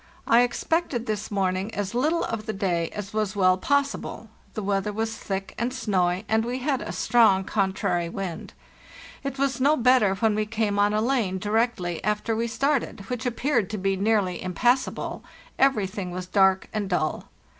I expected this morning as little of the day as was well possible; the weather was thick and snowy, and we had a strong contrary wind. It was no better when we came on a lane directly after we started, which appeared to be nearly impassable; every thing was dark and dull.